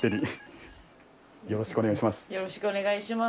よろしくお願いします。